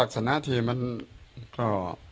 มันก็เคยหลักษณะที่มันก็